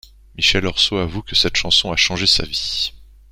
Michel Orso avoue que cette chanson a changé sa vie.